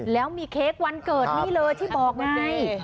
แล้วมีเค้กวันเกิดนี่เลยที่บอกมาไง